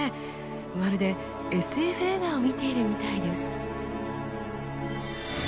まるでＳＦ映画を見ているみたいです。